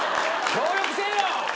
協力せえよ！